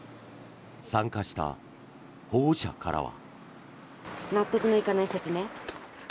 参加した保護者からは。